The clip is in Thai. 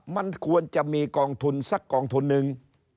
มันควรจะมีกองทุนสักกองทุนนึง